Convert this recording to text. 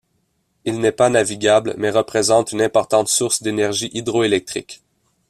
Il n'est pas navigable mais représente une importante source d'énergie hydroélectrique.